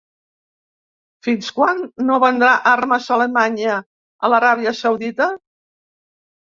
Fins quan no vendrà armes Alemanya a l'Aràbia Saudita?